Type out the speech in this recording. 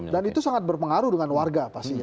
dan itu sangat berpengaruh dengan warga pastinya